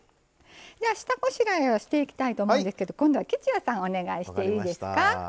下ごしらえをしていきたいと思うんですけど今度は吉弥さんお願いしていいですか。